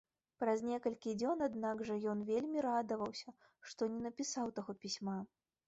Праз некалькі дзён аднак жа ён вельмі радаваўся, што не напісаў таго пісьма.